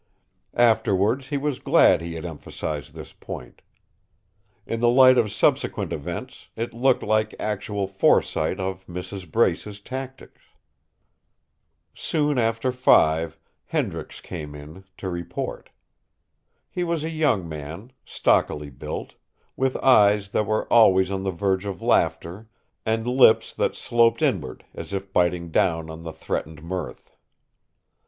Afterwards, he was glad he had emphasized this point. In the light of subsequent events, it looked like actual foresight of Mrs. Brace's tactics. Soon after five Hendricks came in, to report. He was a young man, stockily built, with eyes that were always on the verge of laughter and lips that sloped inward as if biting down on the threatened mirth.